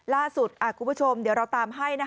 ล่าสุดคุณผู้ชมเดี๋ยวเราตามให้